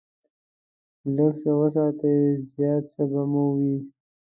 لږ څه وساتئ، زیات څه به مو وي.